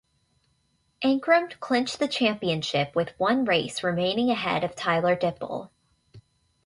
Ankrum clinched the championship with one race remaining ahead of Tyler Dippel.